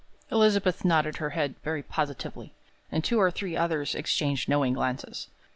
Elizabeth nodded her head very positively, and two or three others exchanged knowing glances.